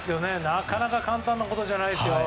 なかなか簡単なことじゃないですよ。